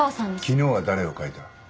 昨日は誰を描いた？